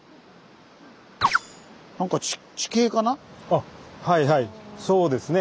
あっはいはいそうですね。